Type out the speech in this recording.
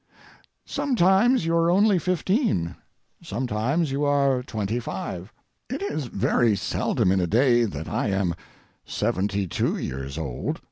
Sometimes you are only fifteen; sometimes you are twenty five. It is very seldom in a day that I am seventy two years old.